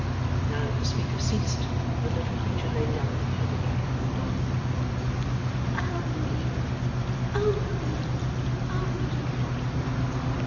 Now that the speaker ceased, the little creature laid down her head again, and moaned, 'O me, O me, O me!